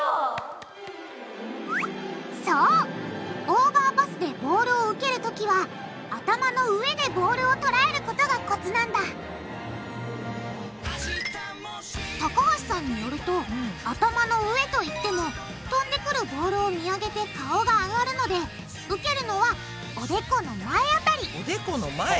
オーバーパスでボールを受けるときは頭の上でボールをとらえることがコツなんだ高橋さんによると頭の上と言っても飛んでくるボールを見上げて顔が上がるので受けるのはおでこの前辺りおでこの前！